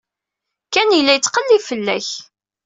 Ken yella yettqellib fell-ak.